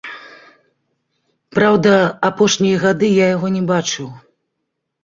Праўда, апошнія гады я яго не бачыў.